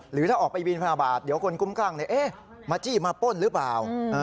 หรือถ้าออกไปบินทบาทเดี๋ยวคนคุ้มคลั่งมาจี้มาป้นหรือเปล่า